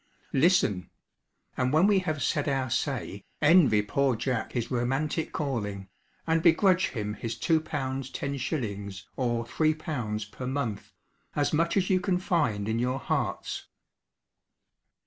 Listen; and when we have 'said our say,' envy poor Jack his romantic calling, and begrudge him his L.2, 10s. or L.3 per month, as much as you can find in your hearts.